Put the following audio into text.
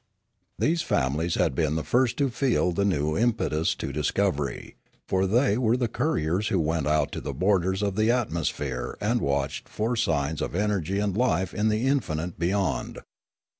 These families had been the first to feel the new im petus to discovery, for they were the couriers who went out to the borders of the atmosphere and watched for signs of energy and life in the infinite beyond.